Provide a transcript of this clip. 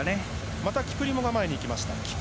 またキプリモが前にいきます。